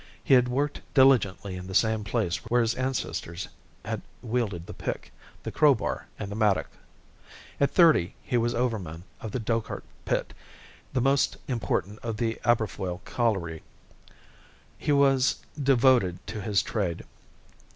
He had worked diligently in the same place where his ancestors had wielded the pick, the crowbar, and the mattock. At thirty he was overman of the Dochart pit, the most important in the Aberfoyle colliery. He was devoted to his trade.